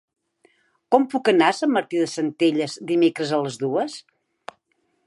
Com puc anar a Sant Martí de Centelles dimecres a les dues?